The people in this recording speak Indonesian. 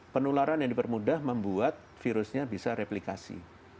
penularan yang dipermudah membuat virusnya bisa replikasi